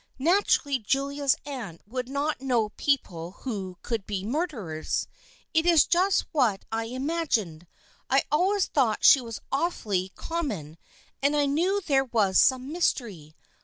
Naturally Julia's aunt would not know peo ple who could be murderers. It is just what I imagined. I always thought she was awfully com mon, and I knew there was some mystery.